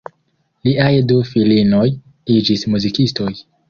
Liaj du filinoj iĝis muzikistoj.